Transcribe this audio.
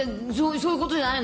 そういうことじゃないの？